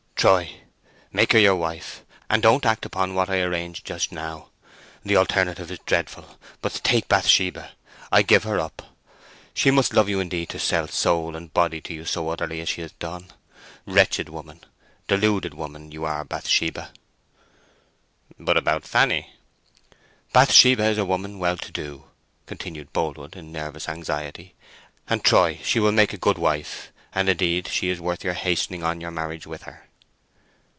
"Troy, make her your wife, and don't act upon what I arranged just now. The alternative is dreadful, but take Bathsheba; I give her up! She must love you indeed to sell soul and body to you so utterly as she has done. Wretched woman—deluded woman—you are, Bathsheba!" "But about Fanny?" "Bathsheba is a woman well to do," continued Boldwood, in nervous anxiety, "and, Troy, she will make a good wife; and, indeed, she is worth your hastening on your marriage with her!"